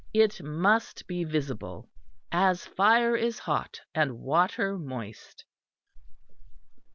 It must be visible, as fire is hot, and water moist."